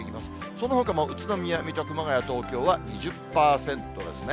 そのほかも宇都宮、水戸、熊谷、東京は２０％ですね。